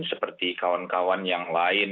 seperti kawan kawan yang lain